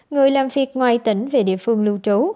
người làm việc ngoài tỉnh về địa phương lưu trú